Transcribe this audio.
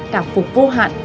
cảm phục vô hạn